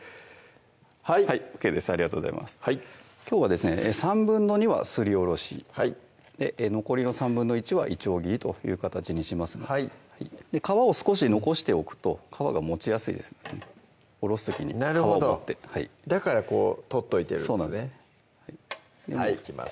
はいＯＫですありがとうございますきょうはですね２／３はすりおろしはい残りの１／３はいちょう切りという形にしますので皮を少し残しておくと皮が持ちやすいですおろす時に皮を持ってだから取っといてるんですねいきます